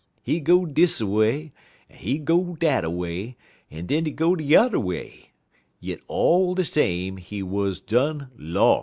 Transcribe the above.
He go dis a way, en he go dat a way, en he go de yuther way, yit all de same he wuz done los'.